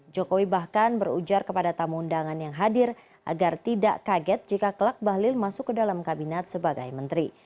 jokowi bahkan berujar kepada tamu undangan yang hadir agar tidak kaget jika kelak bahlil masuk ke dalam kabinet sebagai menteri